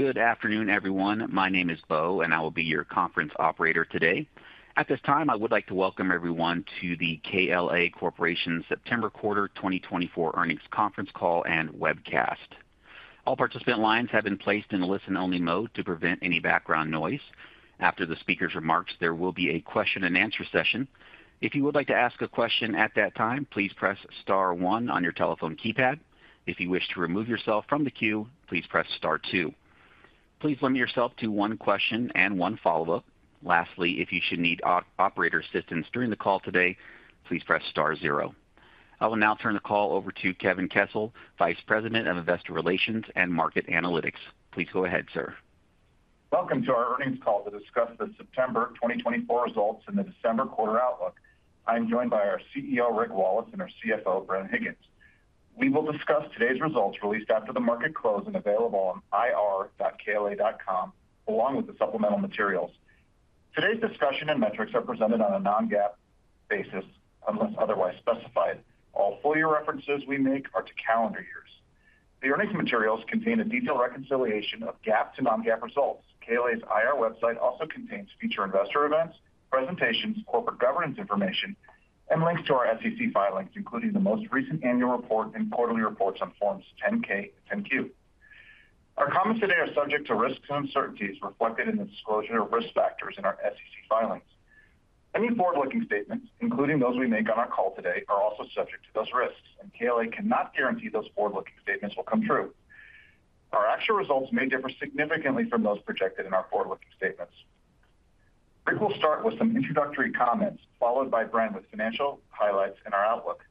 Good afternoon, everyone. My name is Bo, and I will be your conference operator today. At this time, I would like to welcome everyone to the KLA Corporation's September Quarter 2024 Earnings Conference Call and webcast. All participant lines have been placed in listen-only mode to prevent any background noise. After the speaker's remarks, there will be a question-and-answer session. If you would like to ask a question at that time, please press star one on your telephone keypad. If you wish to remove yourself from the queue, please press star two. Please limit yourself to one question and one follow-up. Lastly, if you should need operator assistance during the call today, please press star zero. I will now turn the call over to Kevin Kessel, Vice President of Investor Relations and Market Analytics. Please go ahead, sir. Welcome to our earnings call to discuss the September 2024 Results and the December Quarter Outlook. I'm joined by our CEO, Rick Wallace, and our CFO, Bren Higgins. We will discuss today's results released after the market closed and available on ir.kla.com, along with the supplemental materials. Today's discussion and metrics are presented on a non-GAAP basis unless otherwise specified. All full-year references we make are to calendar years. The earnings materials contain a detailed reconciliation of GAAP to non-GAAP results. KLA's IR website also contains features investor events, presentations, corporate governance information, and links to our SEC filings, including the most recent annual report and quarterly reports on Forms 10-K and 10-Q. Our comments today are subject to risks and uncertainties reflected in the disclosure of risk factors in our SEC filings. Any forward-looking statements, including those we make on our call today, are also subject to those risks, and KLA cannot guarantee those forward-looking statements will come true. Our actual results may differ significantly from those projected in our forward-looking statements. Rick will start with some introductory comments, followed by Bren with financial highlights and our outlook.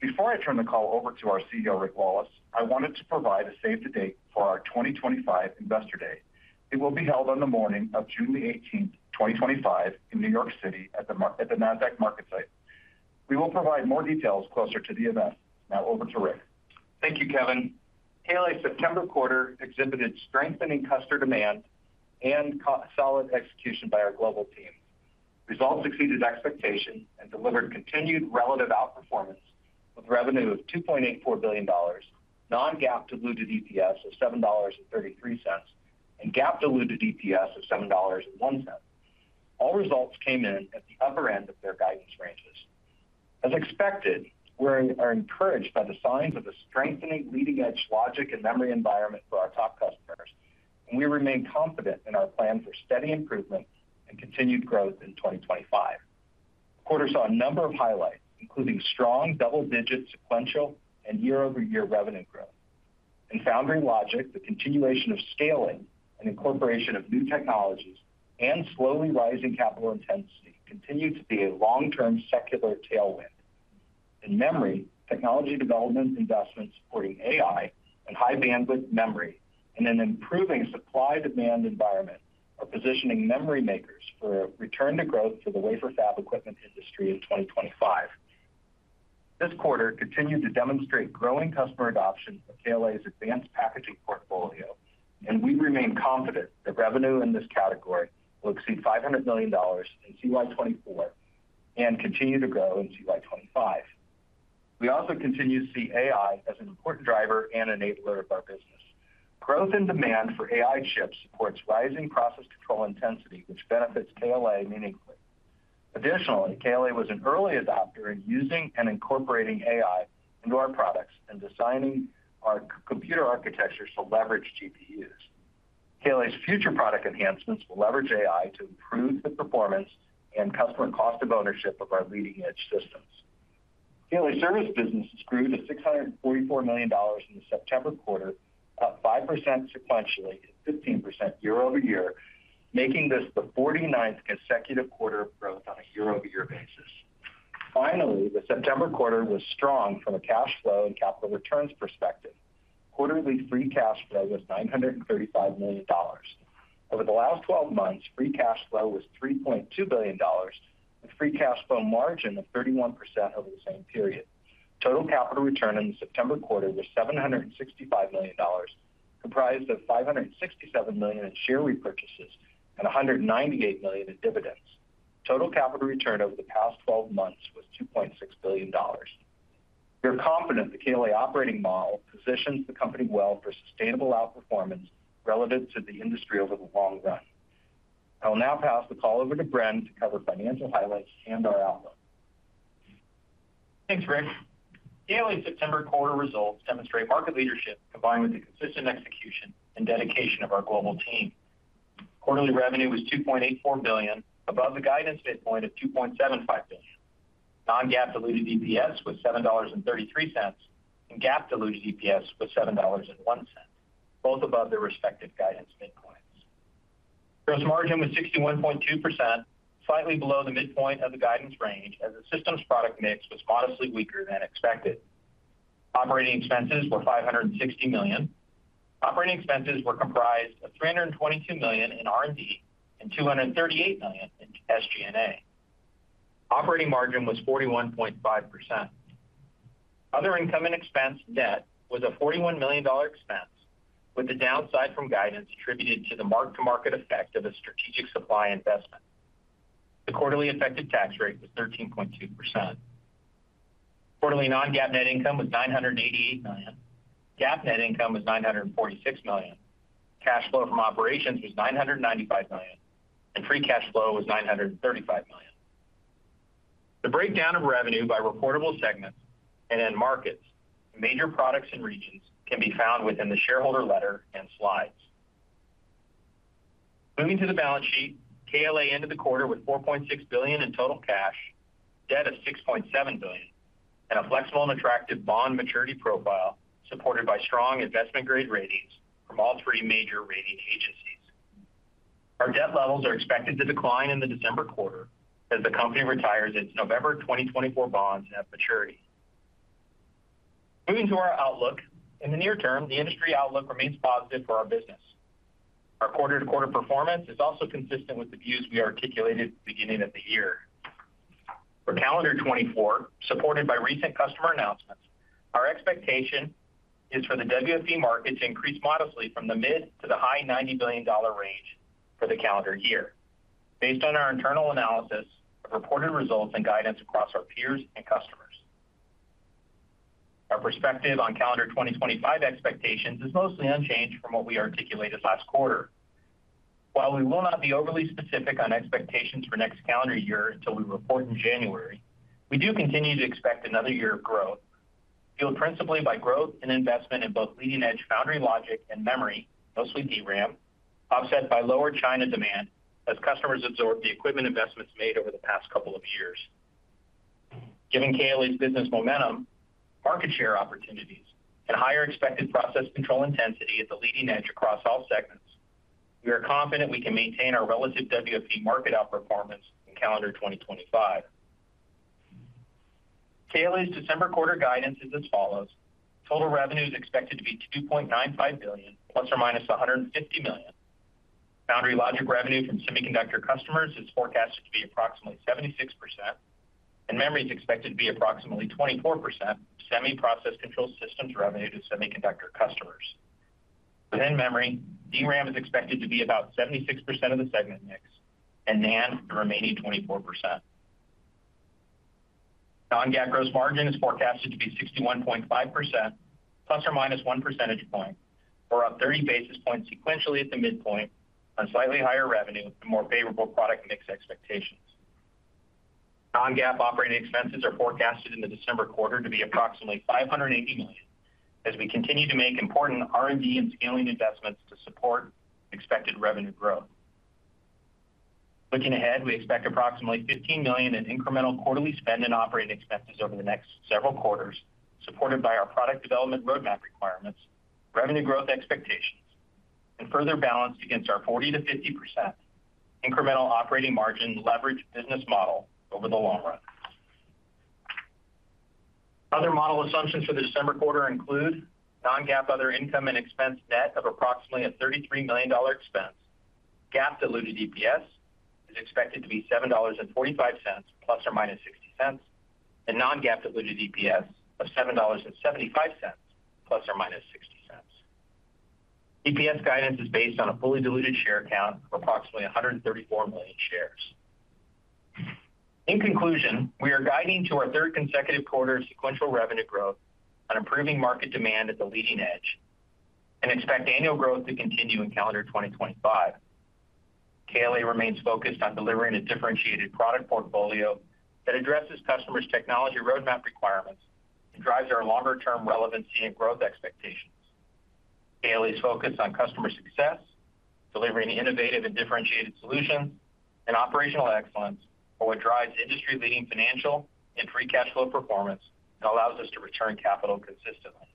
Before I turn the call over to our CEO, Rick Wallace, I wanted to provide a save-the-date for our 2025 Investor Day. It will be held on the morning of June 18th, 2025, in New York City at the NASDAQ MarketSite. We will provide more details closer to the event. Now over to Rick. Thank you, Kevin. KLA's September quarter exhibited strengthening customer demand and solid execution by our global team. Results exceeded expectations and delivered continued relative outperformance with revenue of $2.84 billion, non-GAAP-diluted EPS of $7.33, and GAAP-diluted EPS of $7.01. All results came in at the upper end of their guidance ranges. As expected, we are encouraged by the signs of a strengthening leading-edge logic and memory environment for our top customers, and we remain confident in our plan for steady improvement and continued growth in 2025. The quarter saw a number of highlights, including strong double-digit sequential and year-over-year revenue growth. In Foundry/Logic, the continuation of scaling and incorporation of new technologies and slowly rising capital intensity continue to be a long-term secular tailwind. In memory, technology development investments supporting AI and High-Bandwidth Memory and an improving supply-demand environment are positioning memory makers for a return to growth for the wafer fab equipment industry in 2025. This quarter continued to demonstrate growing customer adoption for KLA's advanced packaging portfolio, and we remain confident that revenue in this category will exceed $500 million in CY2024 and continue to grow in CY2025. We also continue to see AI as an important driver and enabler of our business. Growth in demand for AI chips supports rising process control intensity, which benefits KLA meaningfully. Additionally, KLA was an early adopter in using and incorporating AI into our products and designing our computer architectures to leverage GPUs. KLA's future product enhancements will leverage AI to improve the performance and customer cost of ownership of our leading-edge systems. KLA's service business grew to $644 million in the September quarter, up 5% sequentially and 15% year-over-year, making this the 49th consecutive quarter of growth on a year-over-year basis. Finally, the September quarter was strong from a cash flow and capital returns perspective. Quarterly Free Cash Flow was $935 million. Over the last 12 months, Free Cash Flow was $3.2 billion, with Free Cash Flow margin of 31% over the same period. Total capital return in the September quarter was $765 million, comprised of $567 million in share repurchases and $198 million in dividends. Total capital return over the past 12 months was $2.6 billion. We are confident the KLA operating model positions the company well for sustainable outperformance relative to the industry over the long run. I will now pass the call over to Bren to cover financial highlights and our outlook. Thanks, Rick. KLA's September quarter results demonstrate market leadership combined with the consistent execution and dedication of our global team. Quarterly revenue was $2.84 billion, above the guidance midpoint of $2.75 billion. Non-GAAP-diluted EPS was $7.33, and GAAP-diluted EPS was $7.01, both above their respective guidance midpoints. Gross margin was 61.2%, slightly below the midpoint of the guidance range as the system's product mix was modestly weaker than expected. Operating expenses were $560 million. Operating expenses were comprised of $322 million in R&D and $238 million in SG&A. Operating margin was 41.5%. Other income and expense net was a $41 million expense, with the downside from guidance attributed to the mark-to-market effect of a strategic supply investment. The quarterly effective tax rate was 13.2%. Quarterly non-GAAP net income was $988 million. GAAP net income was $946 million. Cash flow from operations was $995 million, and Free Cash Flow was $935 million. The breakdown of revenue by reportable segments and then markets and major products and regions can be found within the shareholder letter and slides. Moving to the balance sheet, KLA ended the quarter with $4.6 billion in total cash, debt of $6.7 billion, and a flexible and attractive bond maturity profile supported by strong investment-grade ratings from all three major rating agencies. Our debt levels are expected to decline in the December quarter as the company retires its November 2024 bonds at maturity. Moving to our outlook, in the near term, the industry outlook remains positive for our business. Our quarter-to-quarter performance is also consistent with the views we articulated at the beginning of the year. For calendar 2024, supported by recent customer announcements, our expectation is for the WFE market to increase modestly from the mid to the high $90 billion range for the calendar year, based on our internal analysis of reported results and guidance across our peers and customers. Our perspective on calendar 2025 expectations is mostly unchanged from what we articulated last quarter. While we will not be overly specific on expectations for next calendar year until we report in January, we do continue to expect another year of growth, fueled principally by growth and investment in both leading-edge Foundry/Logic and memory, mostly DRAM, offset by lower China demand as customers absorb the equipment investments made over the past couple of years. Given KLA's business momentum, market share opportunities, and higher expected process control intensity at the leading edge across all segments, we are confident we can maintain our relative WFE market outperformance in calendar 2025. KLA's December quarter guidance is as follows: total revenue is expected to be $2.95 billion, plus or minus $150 million. Foundry/Logic revenue from semiconductor customers is forecasted to be approximately 76%, and memory is expected to be approximately 24% of Semi Process Control systems revenue to semiconductor customers. Within memory, DRAM is expected to be about 76% of the segment mix, and NAND the remaining 24%. Non-GAAP gross margin is forecasted to be 61.5%, ± one percentage point, or up 30 basis points sequentially at the midpoint on slightly higher revenue and more favorable product mix expectations. Non-GAAP operating expenses are forecasted in the December quarter to be approximately $580 million as we continue to make important R&D and scaling investments to support expected revenue growth. Looking ahead, we expect approximately $15 million in incremental quarterly spend and operating expenses over the next several quarters, supported by our product development roadmap requirements, revenue growth expectations, and further balanced against our 40%-50% incremental operating margin leverage business model over the long run. Other model assumptions for the December quarter include non-GAAP other income and expense net of approximately a $33 million expense. GAAP-diluted EPS is expected to be $7.45, ± $0.60, and non-GAAP-diluted EPS of $7.75, ±$0.60. EPS guidance is based on a fully diluted share count of approximately 134 million shares. In conclusion, we are guiding to our third consecutive quarter of sequential revenue growth on improving market demand at the leading edge and expect annual growth to continue in calendar 2025. KLA remains focused on delivering a differentiated product portfolio that addresses customers' technology roadmap requirements and drives our longer-term relevancy and growth expectations. KLA is focused on customer success, delivering innovative and differentiated solutions and operational excellence for what drives industry-leading financial and Free Cash Flow performance and allows us to return capital consistently.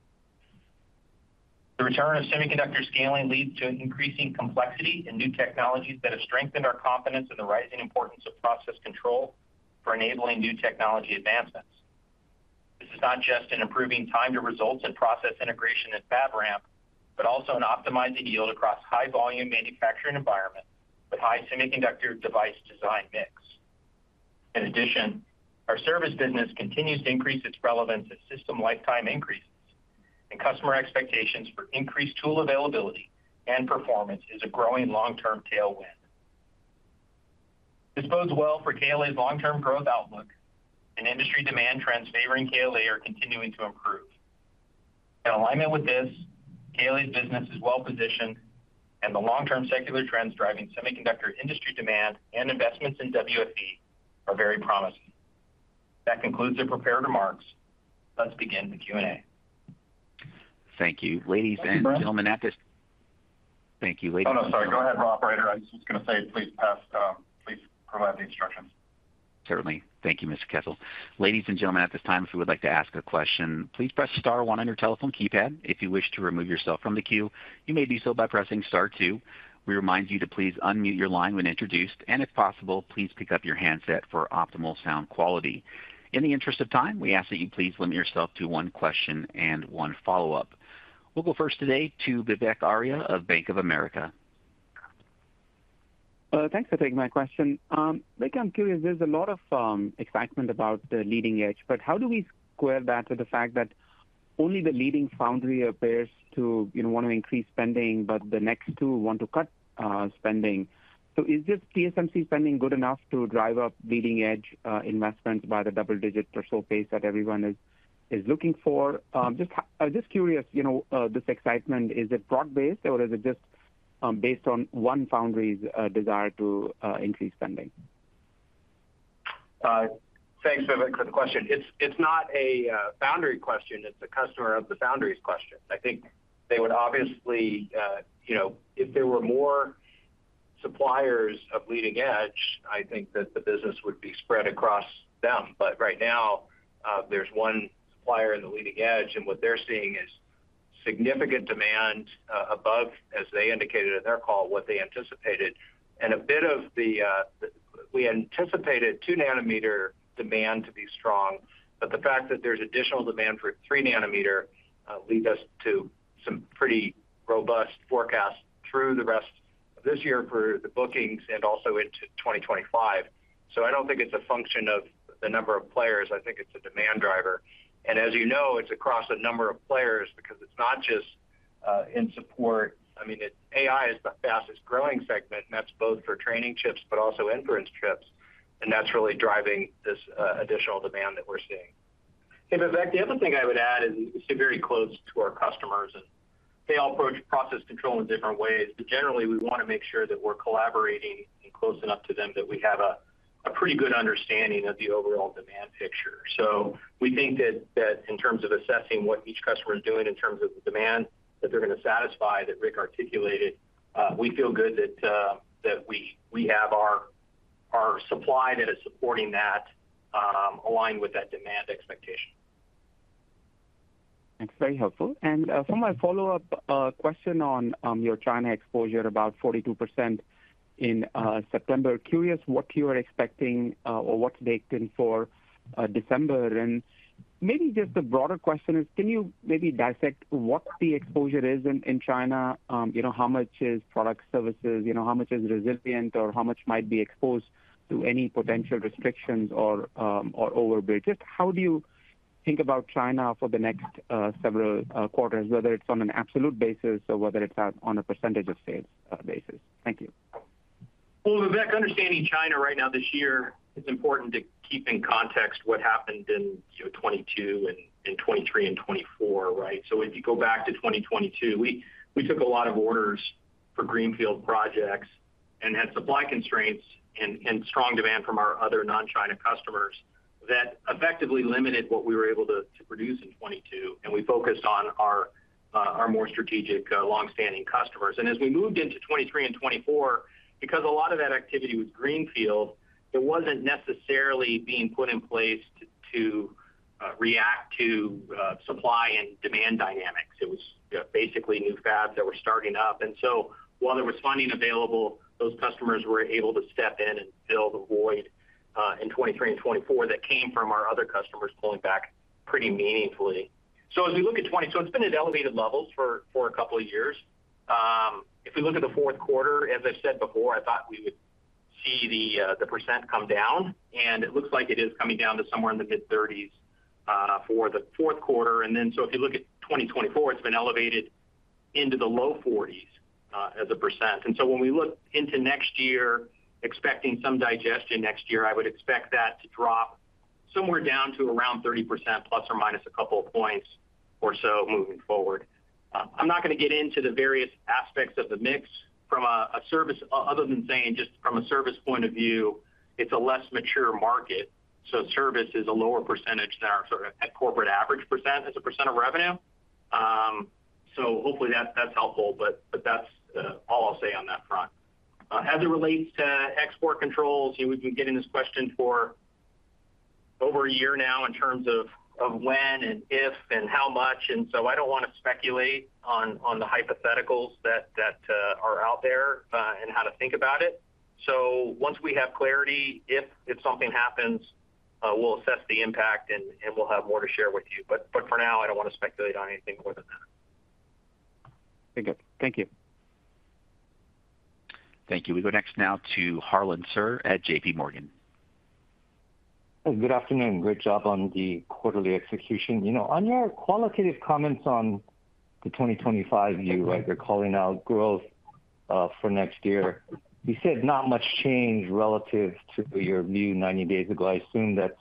The return of semiconductor scaling leads to an increasing complexity and new technologies that have strengthened our confidence in the rising importance of process control for enabling new technology advancements. This is not just in improving time-to-results and process integration and fab ramp, but also in optimizing yield across high-volume manufacturing environments with high semiconductor device design mix. In addition, our service business continues to increase its relevance as system lifetime increases, and customer expectations for increased tool availability and performance is a growing long-term tailwind. This bodes well for KLA's long-term growth outlook, and industry demand trends favoring KLA are continuing to improve. In alignment with this, KLA's business is well-positioned, and the long-term secular trends driving semiconductor industry demand and investments in WFE are very promising. That concludes the prepared remarks. Let's begin the Q&A. Thank you. Ladies and gentlemen. Oh, no. Sorry. Go ahead, Robert. I was just going to say, please pass. Please provide the instructions. Certainly. Thank you, Mr. Kessel. Ladies and gentlemen, at this time, if you would like to ask a question, please press star one on your telephone keypad. If you wish to remove yourself from the queue, you may do so by pressing star two. We remind you to please unmute your line when introduced, and if possible, please pick up your handset for optimal sound quality. In the interest of time, we ask that you please limit yourself to one question and one follow-up. We'll go first today to Vivek Arya of Bank of America. Thanks for taking my question. Vivek, I'm curious. There's a lot of excitement about the leading edge, but how do we square that with the fact that only the leading foundry appears to want to increase spending, but the next two want to cut spending? So is this TSMC spending good enough to drive up leading-edge investments by the double-digit or so pace that everyone is looking for? Just curious, this excitement, is it broad-based, or is it just based on one foundry's desire to increase spending? Thanks, Vivek, for the question. It's not a foundry question. It's a customer of the foundry's question. I think they would obviously, if there were more suppliers of leading edge, I think that the business would be spread across them. But right now, there's one supplier in the leading edge, and what they're seeing is significant demand above, as they indicated in their call, what they anticipated. And a bit of the, we anticipated two nanometer demand to be strong, but the fact that there's additional demand for three nanometer leads us to some pretty robust forecasts through the rest of this year for the bookings and also into 2025. So I don't think it's a function of the number of players. I think it's a demand driver. And as you know, it's across a number of players because it's not just in support. I mean, AI is the fastest-growing segment, and that's both for training chips but also inference chips, and that's really driving this additional demand that we're seeing. Hey, Vivek, the other thing I would add is we sit very close to our customers, and they all approach process control in different ways. But generally, we want to make sure that we're collaborating and close enough to them that we have a pretty good understanding of the overall demand picture. So we think that in terms of assessing what each customer is doing in terms of the demand that they're going to satisfy that Rick articulated, we feel good that we have our supply that is supporting that aligned with that demand expectation. Thanks. Very helpful. And for my follow-up question on your China exposure, about 42% in September, curious what you are expecting or what's baked in for December. And maybe just the broader question is, can you maybe dissect what the exposure is in China? How much is product services? How much is resilient, or how much might be exposed to any potential restrictions or overbuild? Just how do you think about China for the next several quarters, whether it's on an absolute basis or whether it's on a percentage of sales basis? Thank you. Vivek, understanding China right now this year, it's important to keep in context what happened in 2022, 2023, and 2024, right? So if you go back to 2022, we took a lot of orders for greenfield projects and had supply constraints and strong demand from our other non-China customers that effectively limited what we were able to produce in 2022, and we focused on our more strategic long-standing customers. And as we moved into 2023 and 2024, because a lot of that activity was greenfield, it wasn't necessarily being put in place to react to supply and demand dynamics. It was basically new fabs that were starting up. And so while there was funding available, those customers were able to step in and fill the void in 2023 and 2024 that came from our other customers pulling back pretty meaningfully. So as we look at 2020, so it's been at elevated levels for a couple of years. If we look at the fourth quarter, as I've said before, I thought we would see the percent come down, and it looks like it is coming down to somewhere in the mid-30s% for the fourth quarter, and then so if you look at 2024, it's been elevated into the low 40s% as a percent, and so when we look into next year, expecting some digestion next year, I would expect that to drop somewhere down to around 30%, ± a couple of points or so moving forward. I'm not going to get into the various aspects of the mix from a service other than saying just from a service point of view, it's a less mature market. So service is a lower percentage than our sort of corporate average percent as a percent of revenue. So hopefully that's helpful, but that's all I'll say on that front. As it relates to export controls, we've been getting this question for over a year now in terms of when and if and how much. And so I don't want to speculate on the hypotheticals that are out there and how to think about it. So once we have clarity, if something happens, we'll assess the impact, and we'll have more to share with you. But for now, I don't want to speculate on anything more than that. Very good. Thank you. Thank you. We go next now to Harlan Sur at JPMorgan. Good afternoon. Great job on the quarterly execution. On your qualitative comments on the 2025 view, right, you're calling out growth for next year. You said not much change relative to your view 90 days ago. I assume that's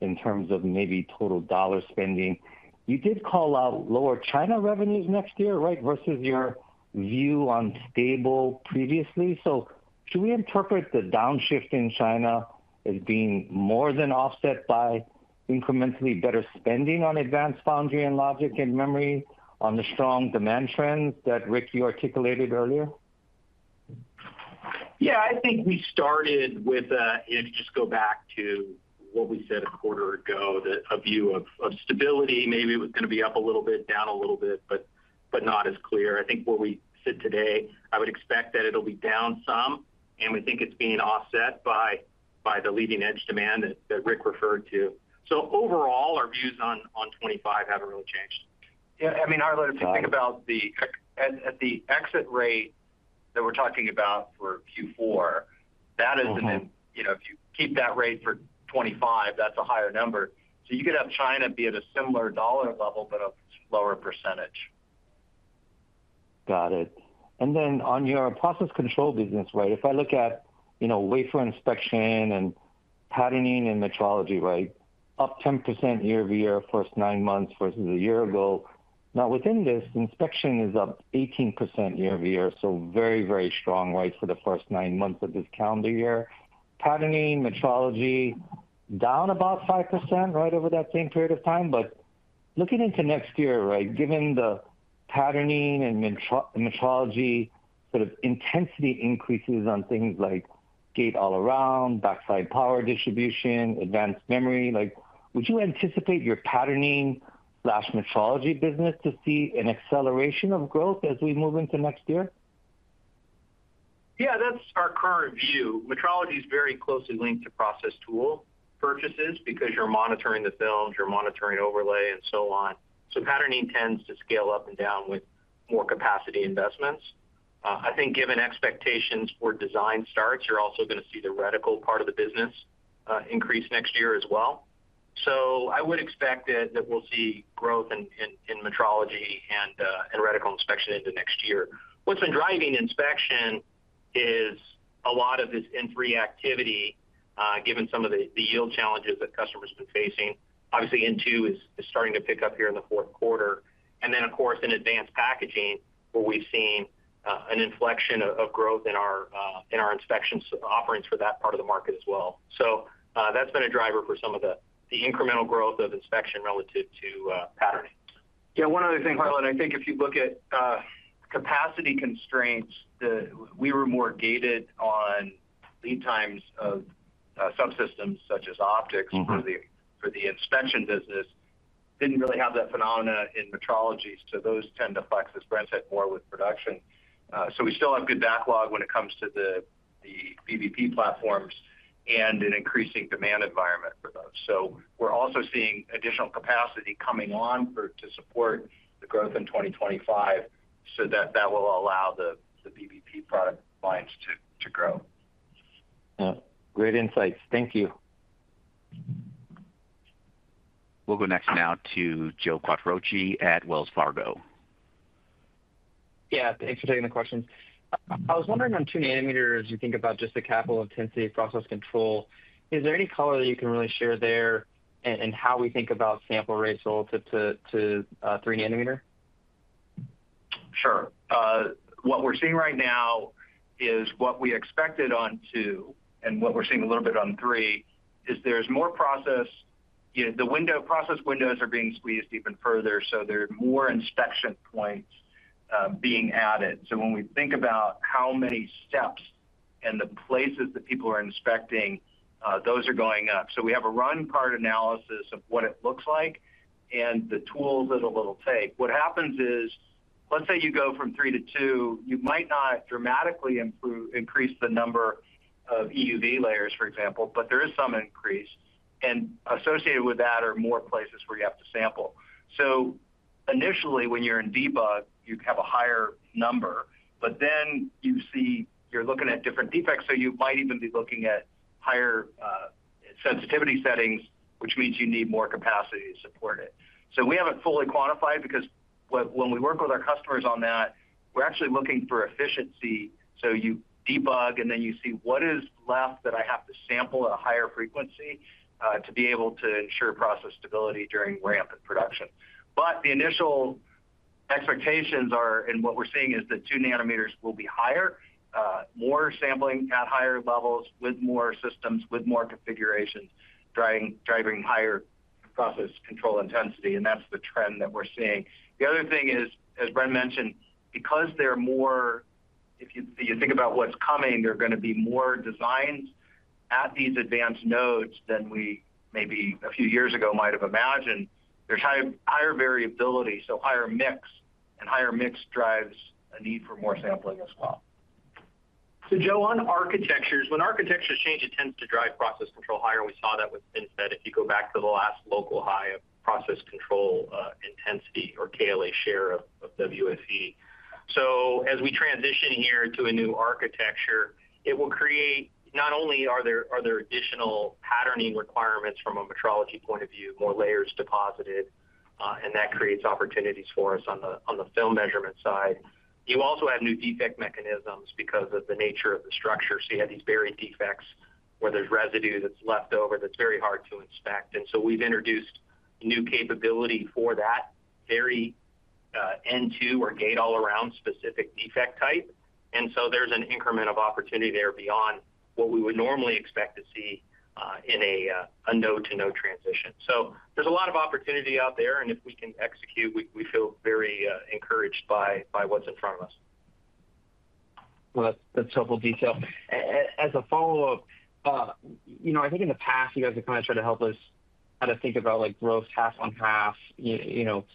in terms of maybe total dollar spending. You did call out lower China revenues next year, right, versus your view on stable previously, so should we interpret the downshift in China as being more than offset by incrementally better spending on advanced foundry and logic and memory on the strong demand trends that Rick, you articulated earlier? Yeah. I think we started with, if you just go back to what we said a quarter ago, a view of stability. Maybe it was going to be up a little bit, down a little bit, but not as clear. I think where we sit today, I would expect that it'll be down some, and we think it's being offset by the leading edge demand that Rick referred to. So overall, our views on 2025 haven't really changed. Yeah. I mean, Harlan, if you think about the exit rate that we're talking about for Q4, that is a, if you keep that rate for 2025, that's a higher number. So you could have China be at a similar dollar level, but a lower percentage. Got it. And then on your process control business, right, if I look at wafer inspection and patterning and metrology, right, up 10% year-over-year first nine months versus a year ago. Now, within this, inspection is up 18% year-over-year, so very, very strong, right, for the first nine months of this calendar year. Patterning, metrology, down about 5%, right, over that same period of time. But looking into next year, right, given the patterning and metrology sort of intensity increases on things like Gate-All-Around, Backside Power Distribution, advanced memory, would you anticipate your patterning/metrology business to see an acceleration of growth as we move into next year? Yeah. That's our current view. Metrology is very closely linked to process tool purchases because you're monitoring the films, you're monitoring overlay, and so on. So patterning tends to scale up and down with more capacity investments. I think given expectations for design starts, you're also going to see the reticle part of the business increase next year as well. So I would expect that we'll see growth in metrology and reticle inspection into next year. What's been driving inspection is a lot of this in-fab activity given some of the yield challenges that customers have been facing. Obviously, N2 is starting to pick up here in the fourth quarter. And then, of course, in advanced packaging, where we've seen an inflection of growth in our inspection offerings for that part of the market as well. So that's been a driver for some of the incremental growth of inspection relative to patterning. Yeah. One other thing, Harlan, I think if you look at capacity constraints, we were more gated on lead times of subsystems such as optics for the inspection business. Didn't really have that phenomenon in metrology, so those tend to flex as Bren said more with production. So we still have good backlog when it comes to the BBP platforms and an increasing demand environment for those. So we're also seeing additional capacity coming on to support the growth in 2025 so that that will allow the BBP product lines to grow. Yeah. Great insights. Thank you. We'll go next now to Joe Quatrochi at Wells Fargo. Yeah. Thanks for taking the questions. I was wondering on two nanometers, you think about just the capital intensity of process control. Is there any color that you can really share there and how we think about sample rates relative to three nanometer? Sure. What we're seeing right now is what we expected on two and what we're seeing a little bit on three is there's more process. The process windows are being squeezed even further, so there are more inspection points being added. So when we think about how many steps and the places that people are inspecting, those are going up. So we have a run part analysis of what it looks like and the tools that it will take. What happens is, let's say you go from three to two, you might not dramatically increase the number of EUV layers, for example, but there is some increase, and associated with that are more places where you have to sample. So initially, when you're in debug, you have a higher number, but then you see you're looking at different defects, so you might even be looking at higher sensitivity settings, which means you need more capacity to support it. So we haven't fully quantified because when we work with our customers on that, we're actually looking for efficiency. So you debug, and then you see what is left that I have to sample at a higher frequency to be able to ensure process stability during ramp and production. But the initial expectations are, and what we're seeing is that two nanometers will be higher, more sampling at higher levels with more systems, with more configurations, driving higher process control intensity. And that's the trend that we're seeing. The other thing is, as Bren mentioned, because they're more, if you think about what's coming, there are going to be more designs at these advanced nodes than we maybe a few years ago might have imagined. There's higher variability, so higher mix, and higher mix drives a need for more sampling as well. So Joe, on architectures, when architectures change, it tends to drive process control higher. We saw that with FinFET if you go back to the last local high of process control intensity or KLA share of WFE. So as we transition here to a new architecture, it will create not only are there additional patterning requirements from a metrology point of view, more layers deposited, and that creates opportunities for us on the film measurement side. You also have new defect mechanisms because of the nature of the structure. So you have these buried defects where there's residue that's left over that's very hard to inspect. And so we've introduced new capability for that very N2 or Gate-All-Around specific defect type. And so there's an incremental opportunity there beyond what we would normally expect to see in a node-to-node transition. So there's a lot of opportunity out there, and if we can execute, we feel very encouraged by what's in front of us. Well, that's helpful detail. As a follow-up, I think in the past, you guys have kind of tried to help us kind of think about growth half on half,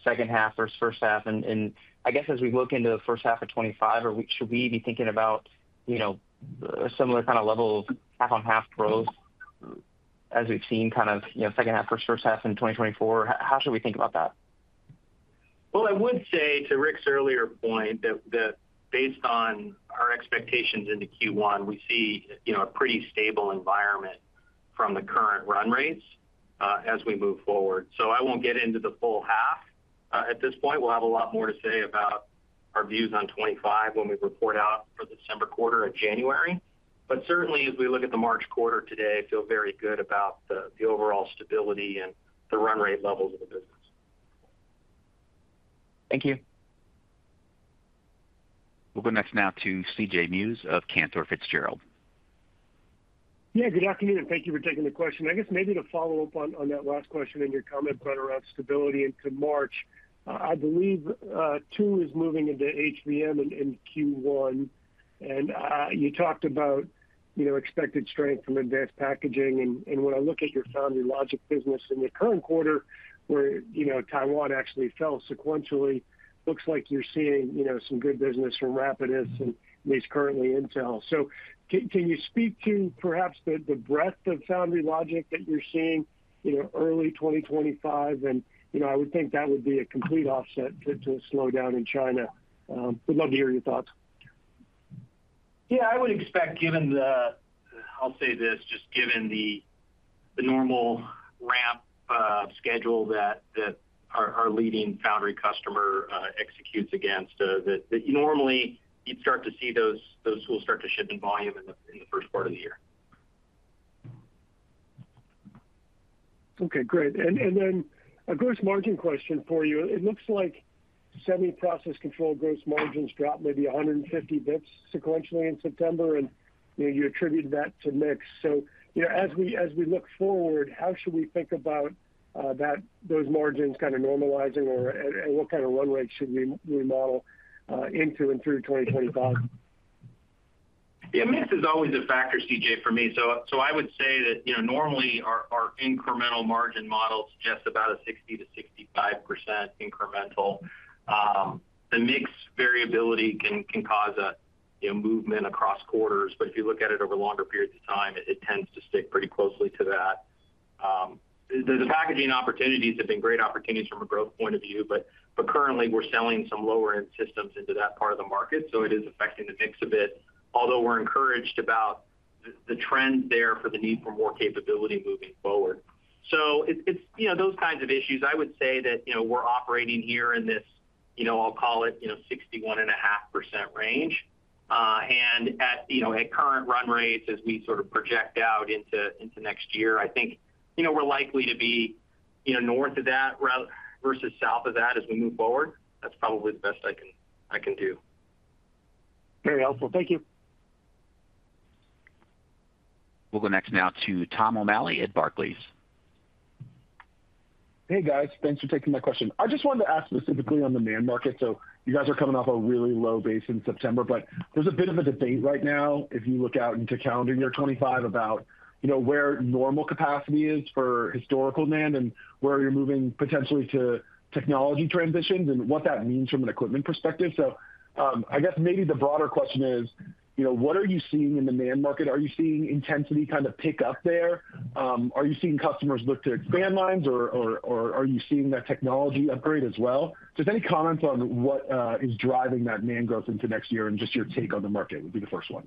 second half versus first half. And I guess as we look into the first half of 2025, should we be thinking about a similar kind of level of half on half growth as we've seen kind of second half versus first half in 2024? How should we think about that? I would say to Rick's earlier point that based on our expectations into Q1, we see a pretty stable environment from the current run rates as we move forward. So I won't get into the full half at this point. We'll have a lot more to say about our views on 2025 when we report out for the December quarter of January. But certainly, as we look at the March quarter today, I feel very good about the overall stability and the run rate levels of the business. Thank you. We'll go next now to C.J. Muse of Cantor Fitzgerald. Yeah. Good afternoon. Thank you for taking the question. I guess maybe to follow up on that last question and your comment, Bren, around stability into March, I believe N2 is moving into HBM in Q1. And you talked about expected strength from advanced packaging. And when I look at your Foundry/Logic business in the current quarter, where Taiwan actually fell sequentially, looks like you're seeing some good business from Rapidus and at least currently Intel. So can you speak to perhaps the breadth of Foundry/Logic that you're seeing early 2025? And I would think that would be a complete offset to a slowdown in China. Would love to hear your thoughts. Yeah. I would expect, given the, I'll say this, just given the normal ramp schedule that our leading foundry customer executes against, that normally you'd start to see those tools start to shift in volume in the first part of the year. Okay. Great. And then a gross margin question for you. It looks like Semi Process Control gross margins dropped maybe 150 basis points sequentially in September, and you attribute that to mix. So as we look forward, how should we think about those margins kind of normalizing, or what kind of run rates should we model into and through 2025? Yeah. Mix is always a factor, C.J., for me. So I would say that normally our incremental margin model suggests about a 60%-65% incremental. The mix variability can cause a movement across quarters, but if you look at it over longer periods of time, it tends to stick pretty closely to that. The packaging opportunities have been great opportunities from a growth point of view, but currently we're selling some lower-end systems into that part of the market, so it is affecting the mix a bit, although we're encouraged about the trend there for the need for more capability moving forward. So it's those kinds of issues. I would say that we're operating here in this, I'll call it 61.5% range. And at current run rates, as we sort of project out into next year, I think we're likely to be north of that versus south of that as we move forward. That's probably the best I can do. Very helpful. Thank you. We'll go next now to Tom O'Malley at Barclays. Hey, guys. Thanks for taking my question. I just wanted to ask specifically on the NAND market. So you guys are coming off a really low base in September, but there's a bit of a debate right now if you look out into calendar year 2025 about where normal capacity is for historical NAND and where you're moving potentially to technology transitions and what that means from an equipment perspective. So I guess maybe the broader question is, what are you seeing in the NAND market? Are you seeing intensity kind of pick up there? Are you seeing customers look to expand lines, or are you seeing that technology upgrade as well? Just any comments on what is driving that NAND growth into next year and just your take on the market would be the first one.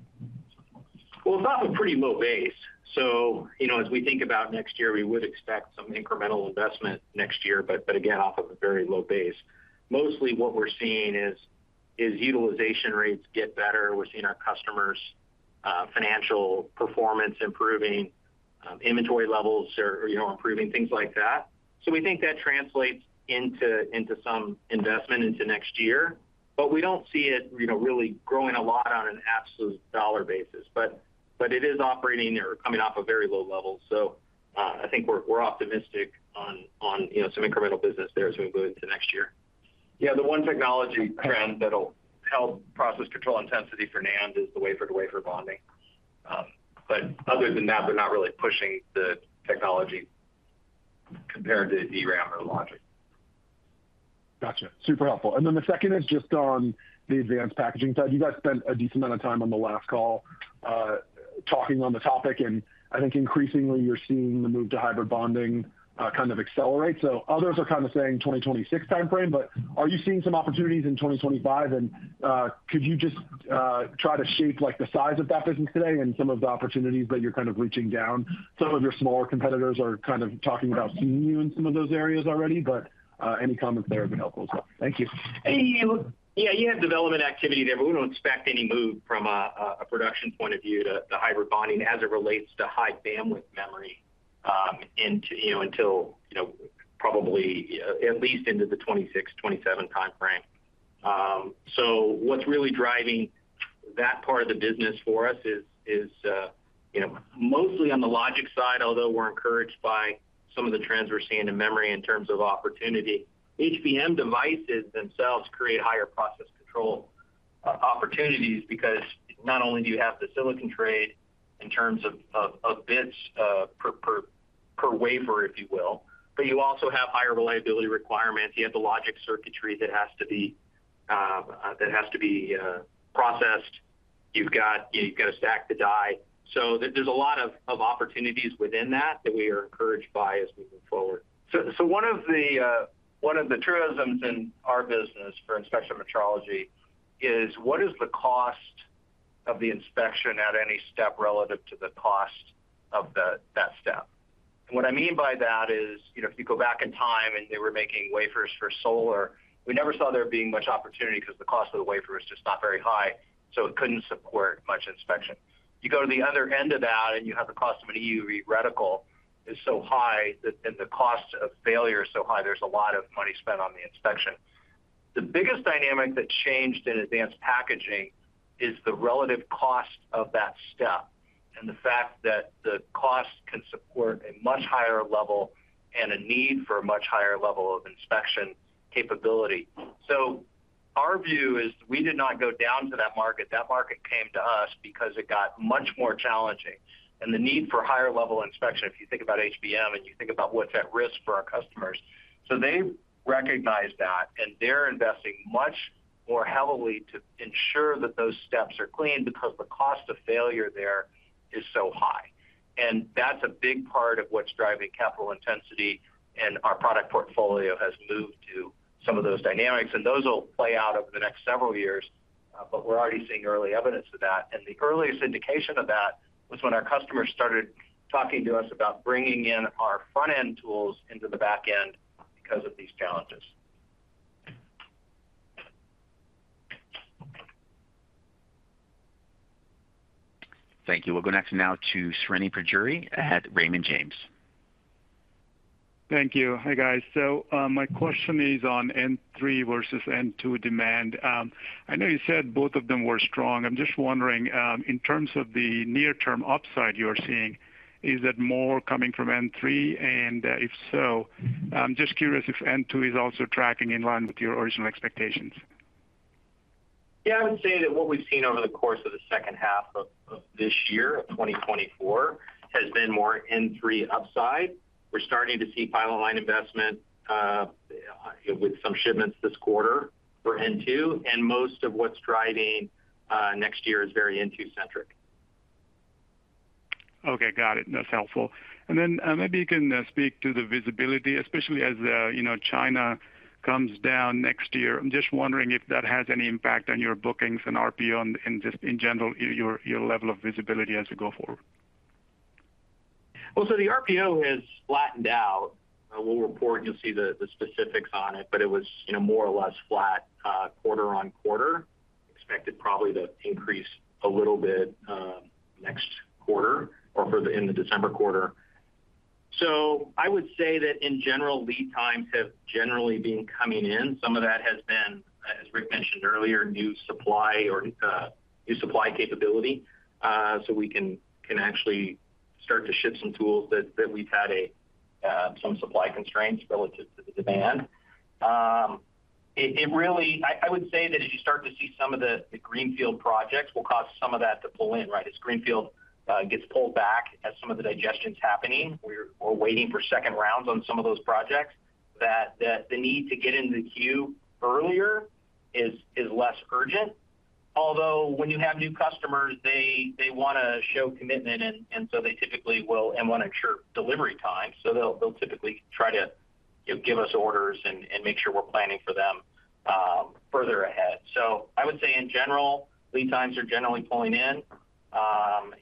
It's off a pretty low base. So as we think about next year, we would expect some incremental investment next year, but again, off of a very low base. Mostly what we're seeing is utilization rates get better. We're seeing our customers' financial performance improving, inventory levels are improving, things like that. So we think that translates into some investment into next year, but we don't see it really growing a lot on an absolute dollar basis. But it is operating or coming off a very low level. So I think we're optimistic on some incremental business there as we move into next year. Yeah. The one technology trend that'll help process control intensity for NAND is the wafer-to-wafer bonding. But other than that, we're not really pushing the technology compared to DRAM or logic. Gotcha. Super helpful. And then the second is just on the advanced packaging side. You guys spent a decent amount of time on the last call talking on the topic, and I think increasingly you're seeing the move to hybrid bonding kind of accelerate. So others are kind of saying 2026 timeframe, but are you seeing some opportunities in 2025? And could you just try to shape the size of that business today and some of the opportunities that you're kind of reaching down? Some of your smaller competitors are kind of talking about seeing you in some of those areas already, but any comments there would be helpful as well. Thank you. Yeah. You have development activity there, but we don't expect any move from a production point of view to hybrid bonding as it relates to High-Bandwidth Memory until probably at least into the 2026, 2027 timeframe. So what's really driving that part of the business for us is mostly on the logic side, although we're encouraged by some of the trends we're seeing in memory in terms of opportunity. HBM devices themselves create higher process control opportunities because not only do you have the silicon trade in terms of bits per wafer, if you will, but you also have higher reliability requirements. You have the logic circuitry that has to be processed. You've got to stack the die. So there's a lot of opportunities within that that we are encouraged by as we move forward. So one of the truisms in our business for inspection metrology is, what is the cost of the inspection at any step relative to the cost of that step? And what I mean by that is if you go back in time and they were making wafers for solar, we never saw there being much opportunity because the cost of the wafer was just not very high, so it couldn't support much inspection. You go to the other end of that and you have the cost of an EUV reticle is so high and the cost of failure is so high, there's a lot of money spent on the inspection. The biggest dynamic that changed in advanced packaging is the relative cost of that step and the fact that the cost can support a much higher level and a need for a much higher level of inspection capability. Our view is we did not go down to that market. That market came to us because it got much more challenging. The need for higher-level inspection, if you think about HBM and you think about what's at risk for our customers. They recognize that, and they're investing much more heavily to ensure that those steps are clean because the cost of failure there is so high. That's a big part of what's driving capital intensity, and our product portfolio has moved to some of those dynamics. Those will play out over the next several years, but we're already seeing early evidence of that. The earliest indication of that was when our customers started talking to us about bringing in our front-end tools into the back-end because of these challenges. Thank you. We'll go next now to Srini Pajjuri, Raymond James. Thank you. Hi guys. So my question is on N3 versus N2 demand. I know you said both of them were strong. I'm just wondering, in terms of the near-term upside you are seeing, is that more coming from N3? And if so, I'm just curious if N2 is also tracking in line with your original expectations. Yeah. I would say that what we've seen over the course of the second half of this year of 2024 has been more N3 upside. We're starting to see pilot line investment with some shipments this quarter for N2, and most of what's driving next year is very N2-centric. Okay. Got it. That's helpful. And then maybe you can speak to the visibility, especially as China comes down next year. I'm just wondering if that has any impact on your bookings and RPO and just in general your level of visibility as we go forward? The RPO has flattened out. We'll report and you'll see the specifics on it, but it was more or less flat quarter-on-quarter. Expected probably to increase a little bit next quarter or in the December quarter. So I would say that in general, lead times have generally been coming in. Some of that has been, as Rick mentioned earlier, new supply or new supply capability. So we can actually start to ship some tools that we've had some supply constraints relative to the demand. I would say that as you start to see some of the greenfield projects, we'll cause some of that to pull in, right? As greenfield gets pulled back, as some of the digestion's happening, we're waiting for second rounds on some of those projects, that the need to get into the queue earlier is less urgent. Although when you have new customers, they want to show commitment, and so they typically will and want to ensure delivery time. So they'll typically try to give us orders and make sure we're planning for them further ahead. So I would say in general, lead times are generally pulling in,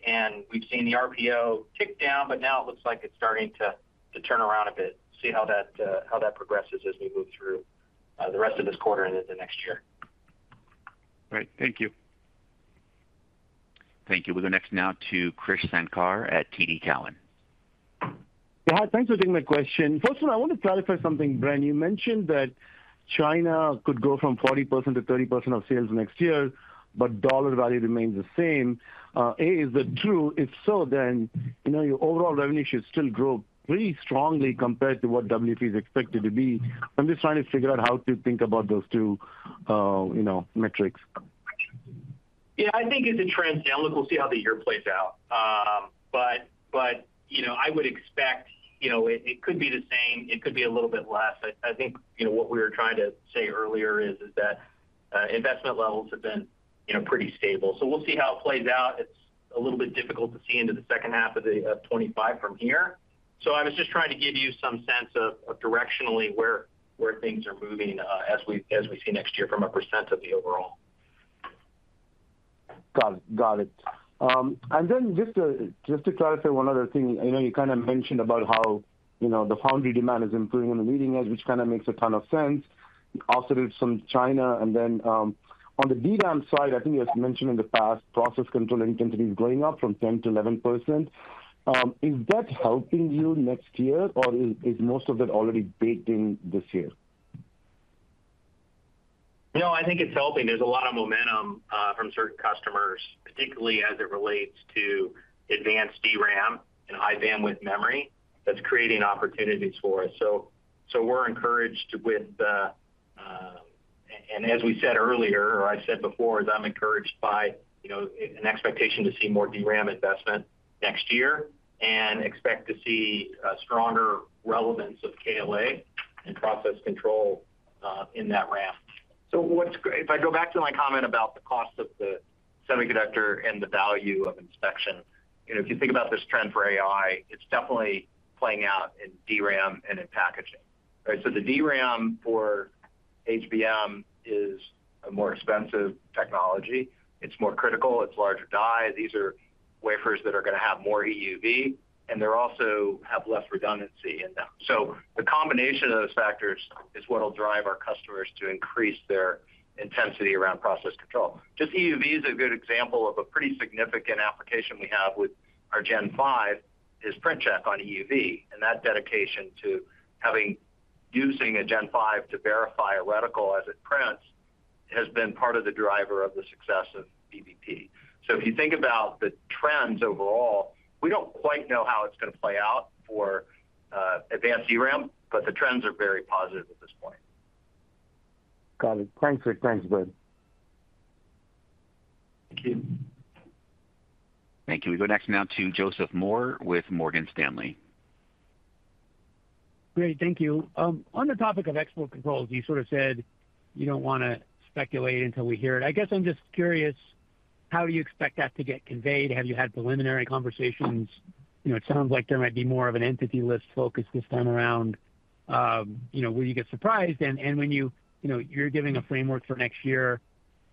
and we've seen the RPO tick down, but now it looks like it's starting to turn around a bit. See how that progresses as we move through the rest of this quarter and into next year. Right. Thank you. Thank you. We'll go next now to Krish Sankar at TD Cowen. Yeah. Hi. Thanks for taking the question. First of all, I want to clarify something, Bren. You mentioned that China could go from 40%-30% of sales next year, but dollar value remains the same. A, is that true? If so, then your overall revenue should still grow pretty strongly compared to what WFE is expected to be. I'm just trying to figure out how to think about those two metrics. Yeah. I think it's a trend. Look, we'll see how the year plays out. But I would expect it could be the same. It could be a little bit less. I think what we were trying to say earlier is that investment levels have been pretty stable. So we'll see how it plays out. It's a little bit difficult to see into the second half of 2025 from here. So I was just trying to give you some sense of directionally where things are moving as we see next year from a percent of the overall. Got it. Got it. And then just to clarify one other thing, you kind of mentioned about how the foundry demand is improving on the leading edge, which kind of makes a ton of sense. Also with some China. And then on the DRAM side, I think you mentioned in the past process control intensity is going up from 10%-11%. Is that helping you next year, or is most of it already baked in this year? No, I think it's helping. There's a lot of momentum from certain customers, particularly as it relates to advanced DRAM and High-Bandwidth Memory that's creating opportunities for us. So we're encouraged with the, and as we said earlier, or I've said before, I'm encouraged by an expectation to see more DRAM investment next year and expect to see a stronger relevance of KLA and process control in that ramp. So if I go back to my comment about the cost of the semiconductor and the value of inspection, if you think about this trend for AI, it's definitely playing out in DRAM and in packaging. So the DRAM for HBM is a more expensive technology. It's more critical. It's larger die. These are wafers that are going to have more EUV, and they also have less redundancy in them. So the combination of those factors is what will drive our customers to increase their intensity around process control. Just EUV is a good example of a pretty significant application we have with our Gen-5 is Print Check on EUV. And that dedication to using a Gen-5 to verify a reticle as it prints has been part of the driver of the success of EUV. So if you think about the trends overall, we don't quite know how it's going to play out for advanced DRAM, but the trends are very positive at this point. Got it. Thanks, Rick. Thanks, Bren. Thank you. Thank you. We go next now to Joseph Moore with Morgan Stanley. Great. Thank you. On the topic of export controls, you sort of said you don't want to speculate until we hear it. I guess I'm just curious, how do you expect that to get conveyed? Have you had preliminary conversations? It sounds like there might be more of an entity list focus this time around where you get surprised. And when you're giving a framework for next year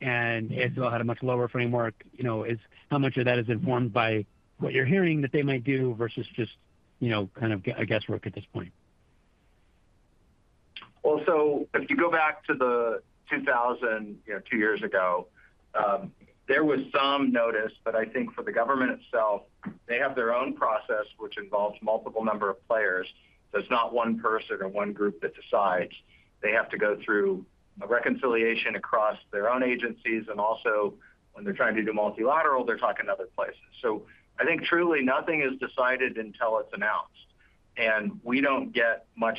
and ASML had a much lower framework, how much of that is informed by what you're hearing that they might do versus just kind of guesswork at this point? If you go back to 2022, two years ago, there was some notice, but I think for the government itself, they have their own process which involves a multitude of players. There's not one person or one group that decides. They have to go through a reconciliation across their own agencies. And also when they're trying to do multilateral, they're talking to other places. So I think truly nothing is decided until it's announced. And we don't get much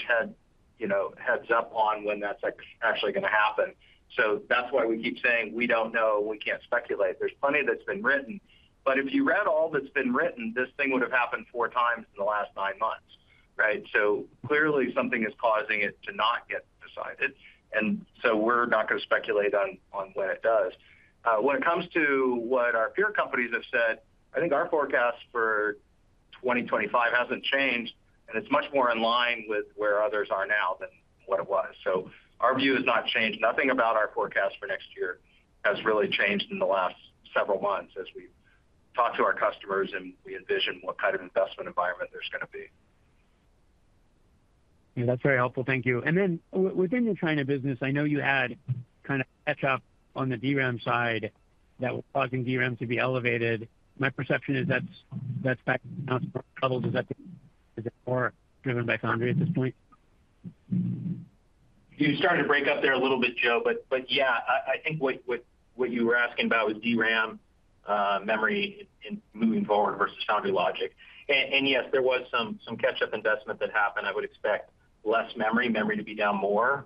heads up on when that's actually going to happen. So that's why we keep saying we don't know. We can't speculate. There's plenty that's been written. But if you read all that's been written, this thing would have happened four times in the last nine months, right? So clearly something is causing it to not get decided. And so we're not going to speculate on when it does. When it comes to what our peer companies have said, I think our forecast for 2025 hasn't changed, and it's much more in line with where others are now than what it was. So our view has not changed. Nothing about our forecast for next year has really changed in the last several months as we talk to our customers and we envision what kind of investment environment there's going to be. Yeah. That's very helpful. Thank you. And then within the China business, I know you had kind of catch-up on the DRAM side that was causing DRAM to be elevated. My perception is that's back to announcement levels. Is that more driven by foundry at this point? You started to break up there a little bit, Joe, but yeah, I think what you were asking about was DRAM memory moving forward versus Foundry/Logic. And yes, there was some catch-up investment that happened. I would expect less memory to be down more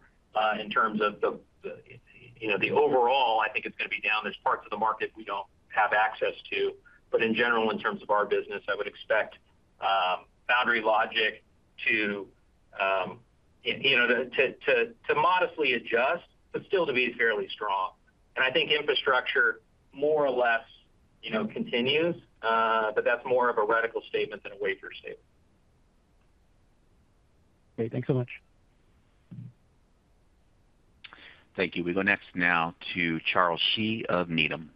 in terms of the overall, I think it's going to be down. There's parts of the market we don't have access to. But in general, in terms of our business, I would expect Foundry/Logic to modestly adjust, but still to be fairly strong. And I think infrastructure more or less continues, but that's more of a reticle statement than a wafer statement. Great. Thanks so much. Thank you. We go next now to Charles Shi of Needham.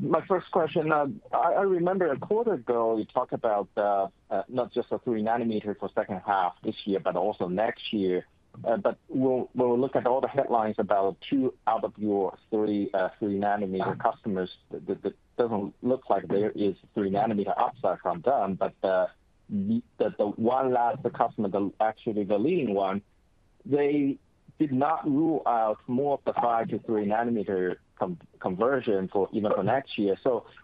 My first question, I remember a quarter ago, you talked about not just a three nanometer for second half this year, but also next year. When we look at all the headlines about two out of your three nanometer customers, it doesn't look like there is a three nanometer upside from them. The one last customer, actually the leading one, they did not rule out more of the five nanometer-three nanometer conversion for even next year.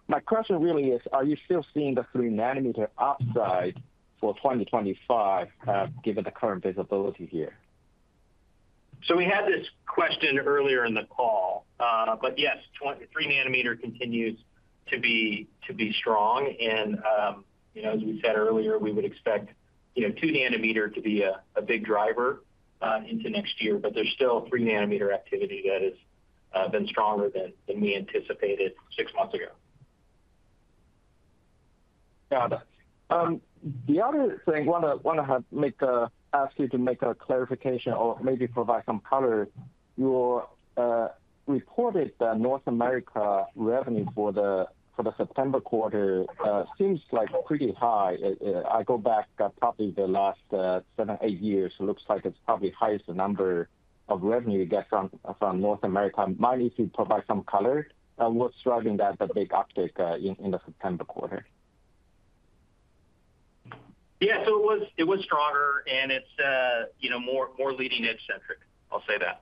My question really is, are you still seeing the three nanometer upside for 2025 given the current visibility here? We had this question earlier in the call, but yes, three-nanometer continues to be strong. As we said earlier, we would expect two-nanometer to be a big driver into next year, but there's still three-nanometer activity that has been stronger than we anticipated six months ago. Got it. The other thing I want to ask you to make a clarification or maybe provide some color. You reported that North America revenue for the September quarter seems like pretty high. I go back probably the last seven, eight years. It looks like it's probably the highest number of revenue you get from North America. Mind if you provide some color on what's driving that big uptick in the September quarter? Yeah, so it was stronger, and it's more leading-edge-centric. I'll say that.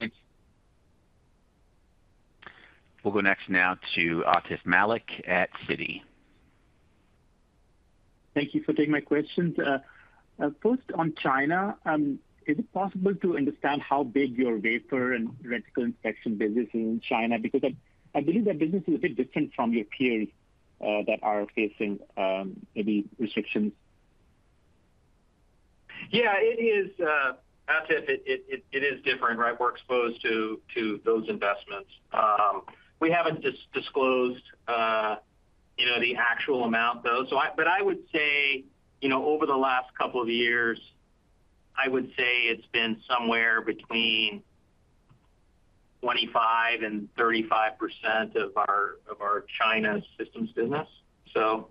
Thanks. We'll go next now to Atif Malik at Citi. Thank you for taking my questions. First on China, is it possible to understand how big your wafer and reticle inspection business is in China? Because I believe that business is a bit different from your peers that are facing maybe restrictions. Yeah. It is, Atif, it is different, right? We're exposed to those investments. We haven't disclosed the actual amount, though. But I would say over the last couple of years, I would say it's been somewhere between 25% and 35% of our China systems business. So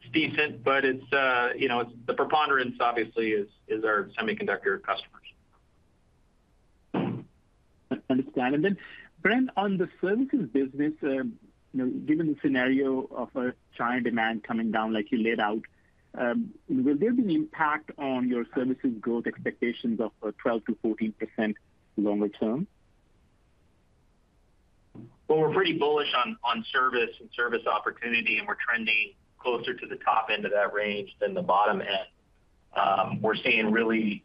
it's decent, but the preponderance obviously is our semiconductor customers. Understand. And then, Bren, on the services business, given the scenario of China demand coming down like you laid out, will there be an impact on your services growth expectations of 12%-14% longer term? We're pretty bullish on service and service opportunity, and we're trending closer to the top end of that range than the bottom end. We're seeing really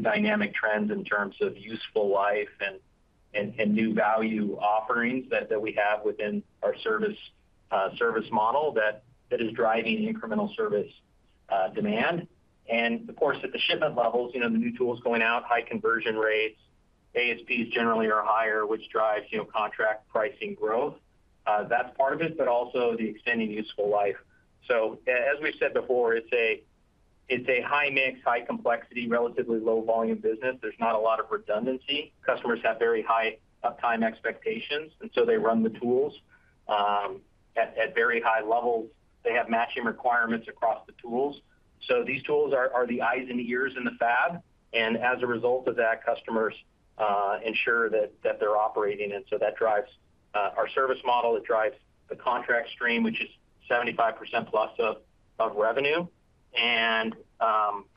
dynamic trends in terms of useful life and new value offerings that we have within our service model that is driving incremental service demand. Of course, at the shipment levels, the new tools going out, high conversion rates, ASPs generally are higher, which drives contract pricing growth. That's part of it, but also the extending useful life. As we've said before, it's a high mix, high complexity, relatively low volume business. There's not a lot of redundancy. Customers have very high uptime expectations, and so they run the tools at very high levels. They have matching requirements across the tools. These tools are the eyes and ears in the fab. And as a result of that, customers ensure that they're operating. And so that drives our service model. It drives the contract stream, which is 75% plus of revenue. And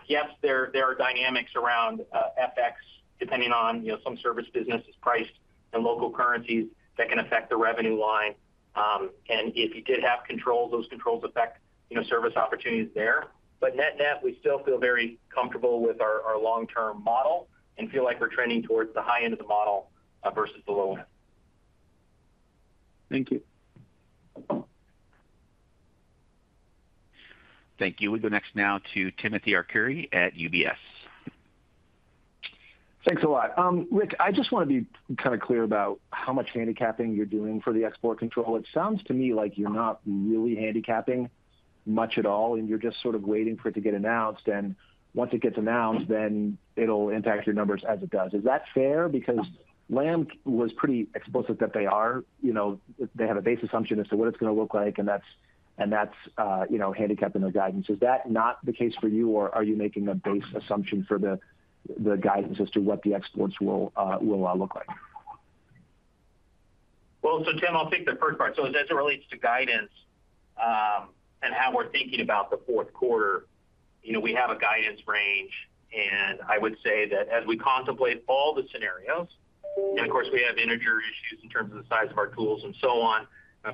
yes, there are dynamics around FX, depending on some service business is priced in local currencies that can affect the revenue line. And if you did have controls, those controls affect service opportunities there. But net net, we still feel very comfortable with our long-term model and feel like we're trending towards the high end of the model versus the low end. Thank you. Thank you. We go next now to Timothy Arcuri at UBS. Thanks a lot. Rick, I just want to be kind of clear about how much handicapping you're doing for the export control. It sounds to me like you're not really handicapping much at all, and you're just sort of waiting for it to get announced. And once it gets announced, then it'll impact your numbers as it does. Is that fair? Because Lam was pretty explicit that they have a base assumption as to what it's going to look like, and that's handicapping their guidance. Is that not the case for you, or are you making a base assumption for the guidance as to what the exports will look like? Tim, I'll take the first part. So as it relates to guidance and how we're thinking about the fourth quarter, we have a guidance range. And I would say that as we contemplate all the scenarios, and of course, we have inter-year issues in terms of the size of our tools and so on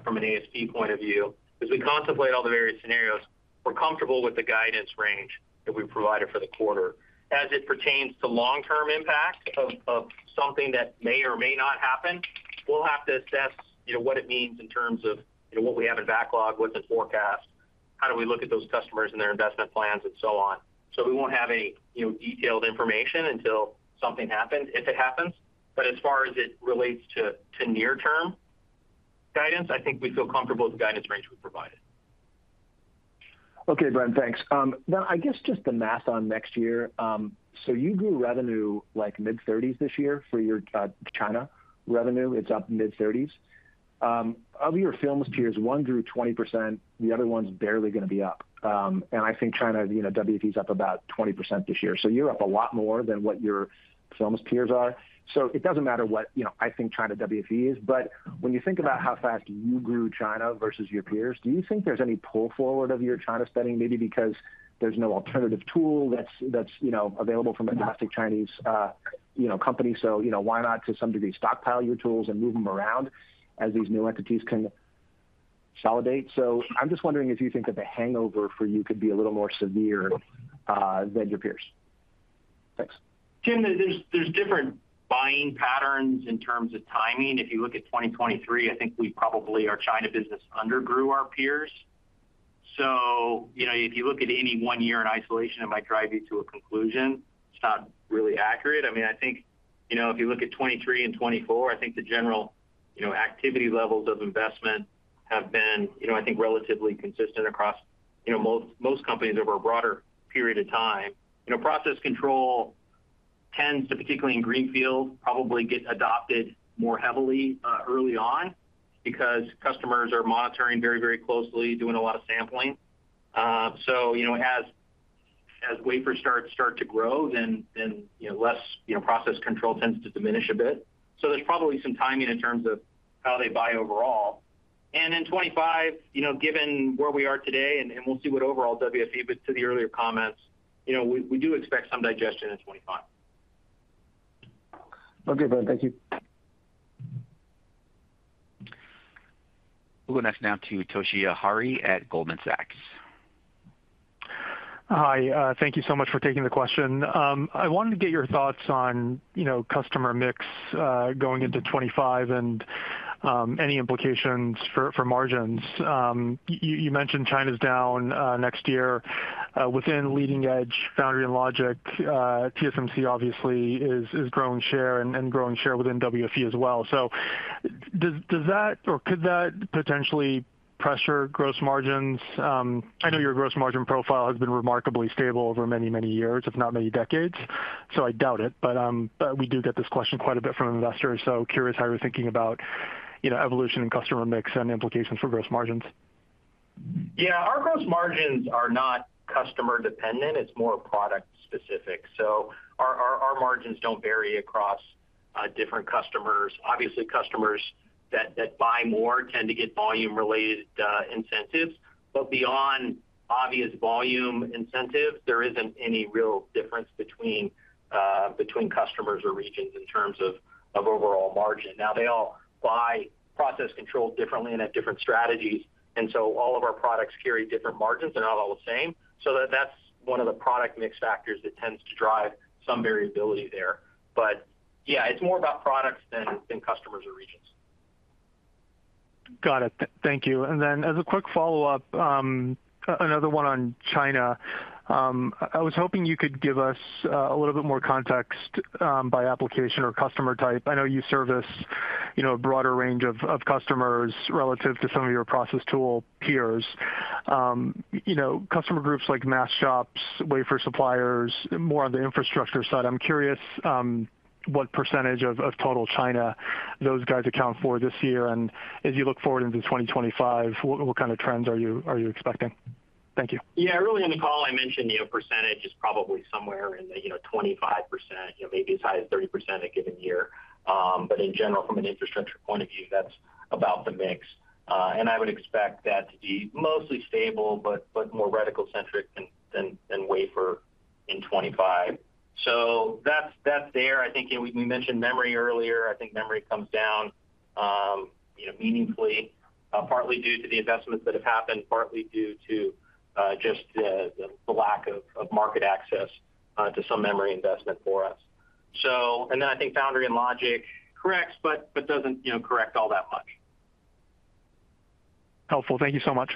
from an ASP point of view, as we contemplate all the various scenarios, we're comfortable with the guidance range that we provided for the quarter. As it pertains to long-term impact of something that may or may not happen, we'll have to assess what it means in terms of what we have in backlog, what's in forecast, how do we look at those customers and their investment plans, and so on. So we won't have any detailed information until something happens if it happens. But as far as it relates to near-term guidance, I think we feel comfortable with the guidance range we provided. Okay, Bren, thanks. Now, I guess just to math on next year, so you grew revenue like mid-30s% this year for your China revenue. It's up mid-30s%. Of your firm's peers, one grew 20%. The other one's barely going to be up. And I think China WFE is up about 20% this year. So you're up a lot more than what your firm's peers are. So it doesn't matter what I think China WFE is. But when you think about how fast you grew China versus your peers, do you think there's any pull forward of your China spending? Maybe because there's no alternative tool that's available from a domestic Chinese company. So why not, to some degree, stockpile your tools and move them around as these new entities can consolidate? So I'm just wondering if you think that the hangover for you could be a little more severe than your peers? Thanks. Tim, there's different buying patterns in terms of timing. If you look at 2023, I think we probably our China business undergrew our peers. So if you look at any one year in isolation, it might drive you to a conclusion. It's not really accurate. I mean, I think if you look at 2023 and 2024, I think the general activity levels of investment have been, I think, relatively consistent across most companies over a broader period of time. Process control tends to, particularly in greenfield, probably get adopted more heavily early on because customers are monitoring very, very closely, doing a lot of sampling. So as wafers start to grow, then less process control tends to diminish a bit. So there's probably some timing in terms of how they buy overall. In 2025, given where we are today, and we'll see what overall WFE, but to the earlier comments, we do expect some digestion in 2025. Okay, Bren. Thank you. We'll go next now to Toshiya Hari at Goldman Sachs. Hi. Thank you so much for taking the question. I wanted to get your thoughts on customer mix going into 2025 and any implications for margins. You mentioned China's down next year. Within leading edge, foundry and logic, TSMC obviously is growing share and growing share within WFE as well. So does that or could that potentially pressure gross margins? I know your gross margin profile has been remarkably stable over many, many years, if not many decades. So I doubt it. But we do get this question quite a bit from investors. So curious how you're thinking about evolution in customer mix and implications for gross margins. Yeah. Our gross margins are not customer-dependent. It's more product-specific. So our margins don't vary across different customers. Obviously, customers that buy more tend to get volume-related incentives. But beyond obvious volume incentives, there isn't any real difference between customers or regions in terms of overall margin. Now, they all buy process controls differently and have different strategies. And so all of our products carry different margins. They're not all the same. So that's one of the product mix factors that tends to drive some variability there. But yeah, it's more about products than customers or regions. Got it. Thank you. And then as a quick follow-up, another one on China. I was hoping you could give us a little bit more context by application or customer type. I know you service a broader range of customers relative to some of your process tool peers. Customer groups like fab shops, wafer suppliers, more on the infrastructure side. I'm curious what percentage of total China those guys account for this year. And as you look forward into 2025, what kind of trends are you expecting? Thank you. Yeah. Earlier in the call, I mentioned percentage is probably somewhere in the 25%, maybe as high as 30% a given year. But in general, from an infrastructure point of view, that's about the mix. And I would expect that to be mostly stable, but more reticle-centric than wafer in 2025. So that's there. I think we mentioned memory earlier. I think memory comes down meaningfully, partly due to the investments that have happened, partly due to just the lack of market access to some memory investment for us. And then I think foundry and logic corrects, but doesn't correct all that much. Helpful. Thank you so much.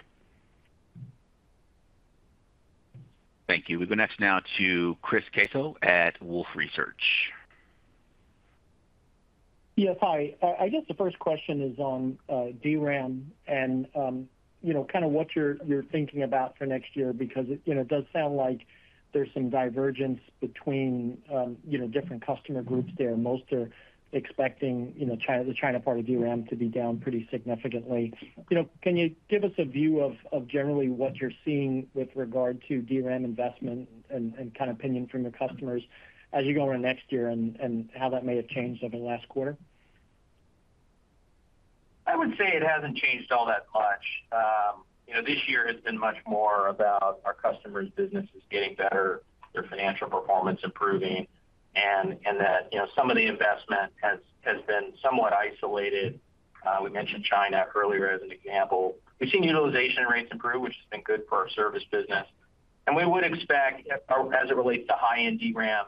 Thank you. We go next now to Chris Caso at Wolfe Research. Yeah. Hi. I guess the first question is on DRAM and kind of what you're thinking about for next year because it does sound like there's some divergence between different customer groups there. Most are expecting the China part of DRAM to be down pretty significantly. Can you give us a view of generally what you're seeing with regard to DRAM investment and kind of opinion from your customers as you go into next year and how that may have changed over the last quarter? I would say it hasn't changed all that much. This year has been much more about our customers' businesses getting better, their financial performance improving, and that some of the investment has been somewhat isolated. We mentioned China earlier as an example. We've seen utilization rates improve, which has been good for our service business. And we would expect, as it relates to high-end DRAM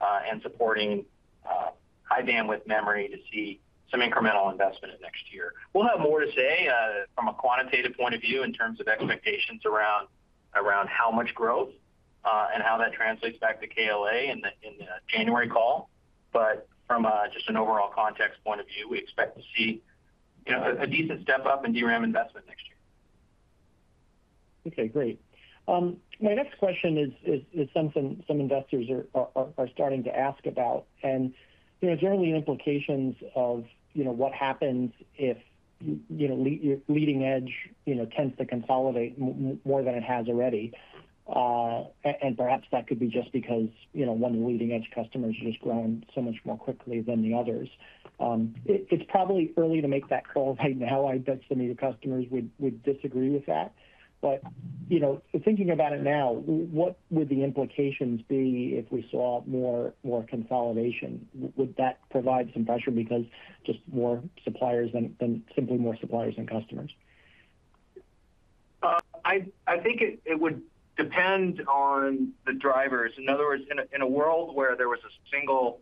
and supporting High-Bandwidth Memory, to see some incremental investment next year. We'll have more to say from a quantitative point of view in terms of expectations around how much growth and how that translates back to KLA in the January call. But from just an overall context point of view, we expect to see a decent step up in DRAM investment next year. Okay. Great. My next question is something some investors are starting to ask about and generally, the implications of what happens if your leading edge tends to consolidate more than it has already and perhaps that could be just because one of the leading edge customers is just growing so much more quickly than the others. It's probably early to make that call right now. I bet some of your customers would disagree with that, but thinking about it now, what would the implications be if we saw more consolidation? Would that provide some pressure because just more suppliers than simply more suppliers than customers? I think it would depend on the drivers. In other words, in a world where there was a single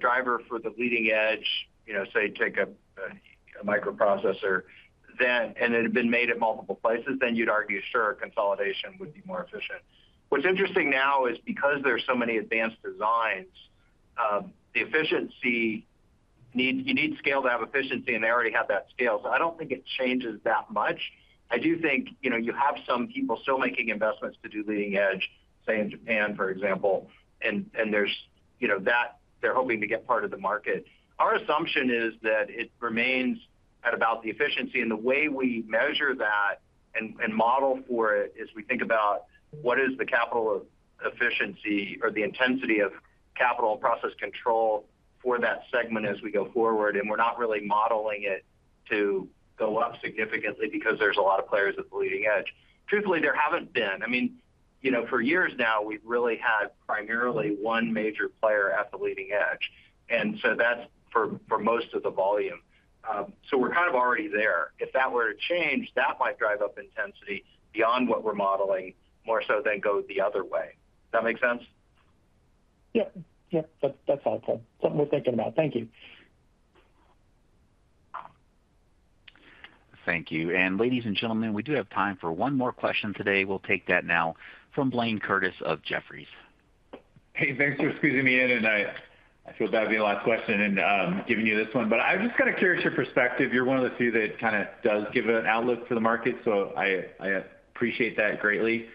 driver for the leading edge, say, take a microprocessor, and it had been made at multiple places, then you'd argue, sure, consolidation would be more efficient. What's interesting now is because there are so many advanced designs, the efficiency you need scale to have efficiency, and they already have that scale. So I don't think it changes that much. I do think you have some people still making investments to do leading edge, say, in Japan, for example, and they're hoping to get part of the market. Our assumption is that it remains at about the efficiency. And the way we measure that and model for it is we think about what is the capital of efficiency or the intensity of capital process control for that segment as we go forward. And we're not really modeling it to go up significantly because there's a lot of players at the leading edge. Truthfully, there haven't been. I mean, for years now, we've really had primarily one major player at the leading edge. And so that's for most of the volume. So we're kind of already there. If that were to change, that might drive up intensity beyond what we're modeling more so than go the other way. Does that make sense? Yeah. Yeah. That's helpful. Something we're thinking about. Thank you. Thank you. And ladies and gentlemen, we do have time for one more question today. We'll take that now from Blayne Curtis of Jefferies. Hey, thanks for squeezing me in. I feel bad being the last question and giving you this one. I'm just kind of curious your perspective. You're one of the few that kind of does give an outlook for the market. I appreciate that greatly.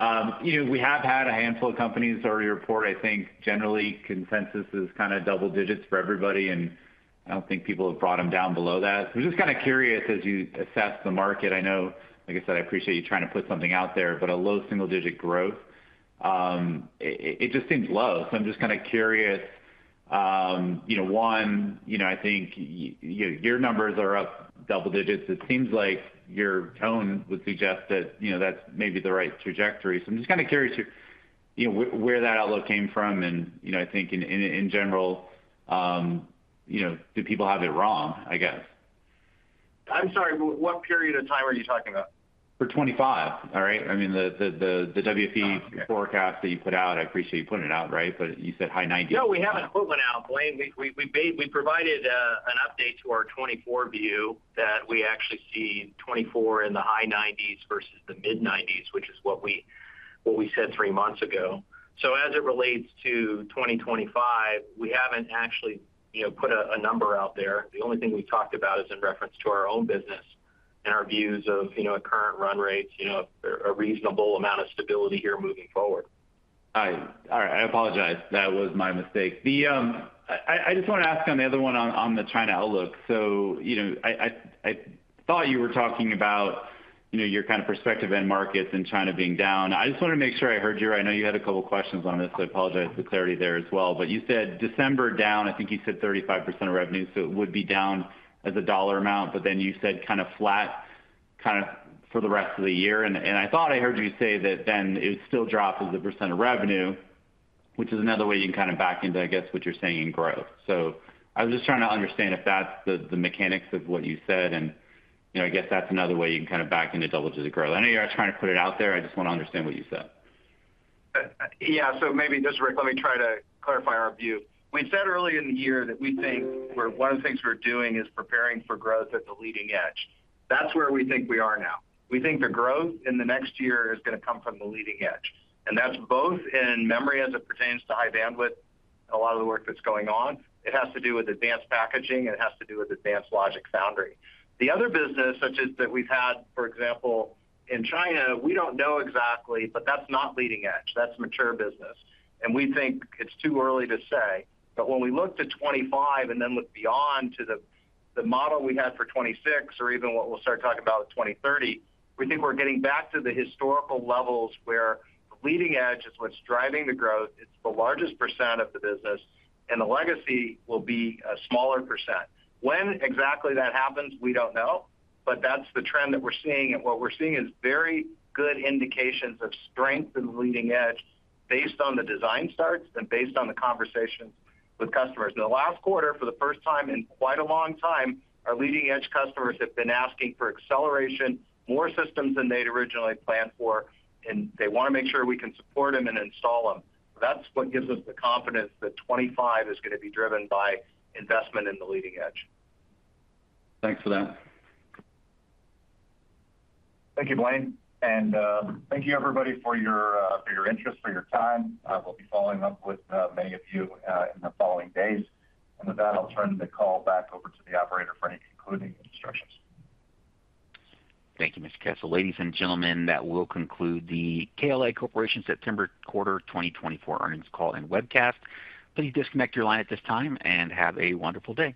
We have had a handful of companies already report. I think generally consensus is kind of double-digits for everybody. I don't think people have brought them down below that. I'm just kind of curious as you assess the market. I know, like I said, I appreciate you trying to put something out there, but a low single-digit growth just seems low. I'm just kind of curious. One, I think your numbers are up double-digits. It seems like your tone would suggest that that's maybe the right trajectory. I'm just kind of curious where that outlook came from. I think in general, do people have it wrong, I guess? I'm sorry. What period of time are you talking about? For 2025, all right? I mean, the WFE forecast that you put out, I appreciate you putting it out, right? But you said high 90s. No, we haven't put one out, Blayne. We provided an update to our 2024 view that we actually see 2024 in the high 90s versus the mid-90s, which is what we said three months ago. So as it relates to 2025, we haven't actually put a number out there. The only thing we've talked about is in reference to our own business and our views of current run rates, a reasonable amount of stability here moving forward. All right. All right. I apologize. That was my mistake. I just want to ask on the other one on the China outlook. I thought you were talking about your kind of perspective and markets and China being down. I just wanted to make sure I heard you. I know you had a couple of questions on this, so I apologize for the clarity there as well. You said December down. I think you said 35% of revenue. So it would be down as a dollar amount, but then you said kind of flat kind of for the rest of the year. I thought I heard you say that then it would still drop as a percent of revenue, which is another way you can kind of back into, I guess, what you're saying in growth. So I was just trying to understand if that's the mechanics of what you said. And I guess that's another way you can kind of back into double-digit growth. I know you're not trying to put it out there. I just want to understand what you said. Yeah. So maybe just let me try to clarify our view. We said early in the year that we think one of the things we're doing is preparing for growth at the leading edge. That's where we think we are now. We think the growth in the next year is going to come from the leading edge. And that's both in memory as it pertains to high bandwidth and a lot of the work that's going on. It has to do with advanced packaging. It has to do with advanced logic foundry. The other business, such as that we've had, for example, in China, we don't know exactly, but that's not leading edge. That's mature business. And we think it's too early to say. But when we look to 2025 and then look beyond to the model we had for 2026 or even what we'll start talking about in 2030, we think we're getting back to the historical levels where the leading edge is what's driving the growth. It's the largest percent of the business. And the legacy will be a smaller percent. When exactly that happens, we don't know. But that's the trend that we're seeing. And what we're seeing is very good indications of strength in the leading edge based on the design starts and based on the conversations with customers. In the last quarter, for the first time in quite a long time, our leading edge customers have been asking for acceleration, more systems than they'd originally planned for. And they want to make sure we can support them and install them. That's what gives us the confidence that 2025 is going to be driven by investment in the leading edge. Thanks for that. Thank you, Blayne. And thank you, everybody, for your interest, for your time. We'll be following up with many of you in the following days. And with that, I'll turn the call back over to the operator for any concluding instructions. Thank you, Mr. Kessel. Ladies and gentlemen, that will conclude the KLA Corporation September quarter 2024 earnings call and webcast. Please disconnect your line at this time and have a wonderful day.